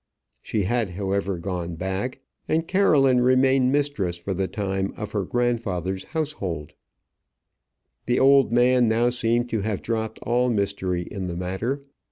She had, however, gone back, and Caroline remained mistress for the time of her grandfather's household. The old man now seemed to have dropped all mystery in the matter.